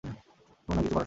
কী মনে হয়, কিছু করা সম্ভব?